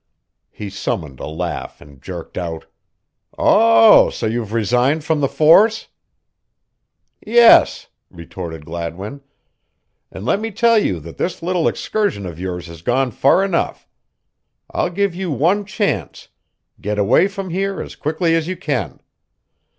He summoned a laugh and jerked out: "Oh, so you've resigned from the force?" "Yes," retorted Gladwin, "and let me tell you that this little excursion of yours has gone far enough. I'll give you one chance get away from here as quickly as you can."